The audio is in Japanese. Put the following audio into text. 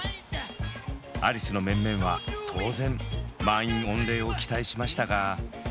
アリスの面々は当然満員御礼を期待しましたが。